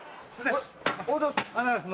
おはようございます。